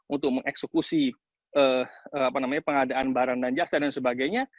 untuk mengeksekusi pengadaan barang dan jasa dan sebagainya